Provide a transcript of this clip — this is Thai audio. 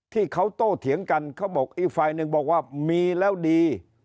ที่เขาโตเถียงกันเขาบอกอีกฝ่ายหนึ่งบอกว่ามีแล้วดี